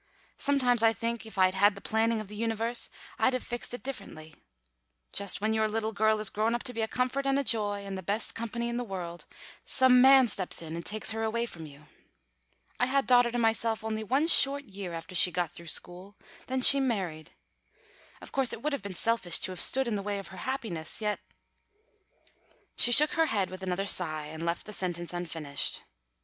"Sometimes I think if I'd had the planning of the universe I'd have fixed it differently. Just when your little girl is grown up to be a comfort and a joy, and the best company in the world, some man steps in and takes her away from you. I had daughter to myself only one short year after she got through school. Then she married. Of course it would have been selfish to have stood in the way of her happiness, yet " She shook her head with another sigh, and left the sentence unfinished.